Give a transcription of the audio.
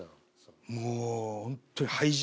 もうホントに。